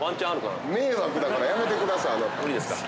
迷惑だからやめてください。